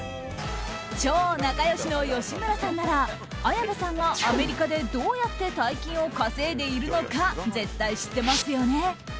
超仲良しの吉村さんなら綾部さんがアメリカでどうやって大金を稼いでいるのか絶対知ってますよね。